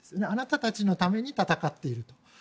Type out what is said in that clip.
あなたたちのために戦っていると。